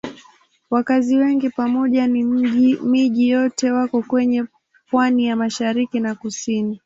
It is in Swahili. Wakazi wengi pamoja na miji yote wako kwenye pwani ya mashariki na kusini.